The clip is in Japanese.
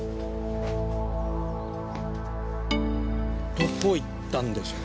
どこ行ったんでしょう？